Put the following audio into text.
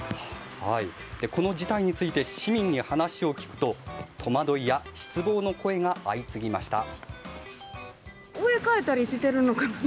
この事態について市民に話を聞くと戸惑いや失望の声が相次ぎました。